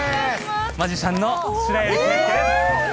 マジシャンの白百合慶祐です